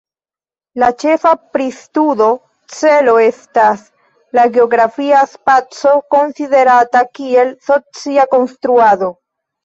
La ĉefa pristudo celo estas la geografia spaco, konsiderata kiel socia konstruado.